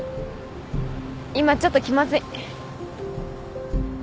今ちょっと気まずい。